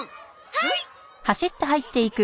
はい！